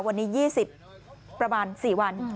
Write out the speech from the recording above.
วันนี้๒๐ประมาณ๔วัน